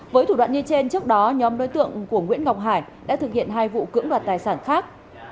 với thủ đoạn như trên trước đó nhóm đối tượng của nguyễn ngọc hải đã thực hiện hai vụ cưỡng đoạt tài sản khác